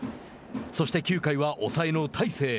そして９回は抑えの大勢。